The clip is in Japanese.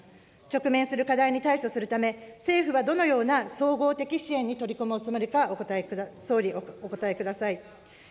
直面する課題に対処するため、政府はどのような総合的支援に取り組むおつもりか、総理、お答えください。